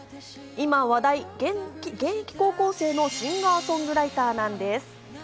今話題、現役高校生のシンガー・ソングライターなんです。